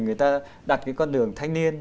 người ta đặt cái con đường thanh niên